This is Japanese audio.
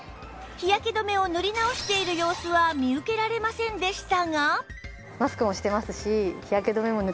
日焼け止めを塗り直している様子は見受けられませんでしたが